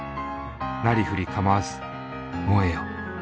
なりふりかまわず燃えよ。